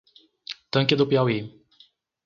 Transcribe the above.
Tanque do Piauí